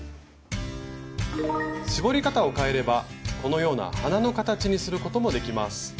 絞り方を変えればこのような花の形にすることもできます。